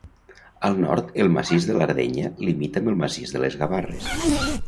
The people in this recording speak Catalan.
Al nord el massís de l'Ardenya limita amb el massís de les Gavarres.